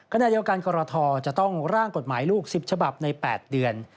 ขณะเดียวกันกรทจะต้องร่างกฎหมายลูก๑๐ฉบับใน๘เดือน